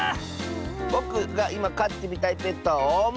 ぼくがいまかってみたいペットはオウム！